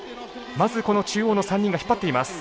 まずこの中央の３人が引っ張っています。